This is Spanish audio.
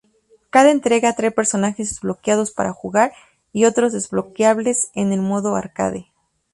Cada entrega trae personajes desbloqueados para jugar, y otros desbloqueables en el modo Arcade.